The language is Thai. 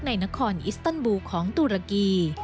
ในนครอิสเติลบูของตุรกี